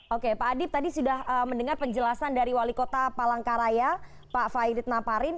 oke pak adip tadi sudah mendengar penjelasan dari wali kota palangkaraya pak fairid naparin